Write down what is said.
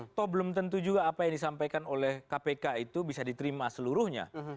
atau belum tentu juga apa yang disampaikan oleh kpk itu bisa diterima seluruhnya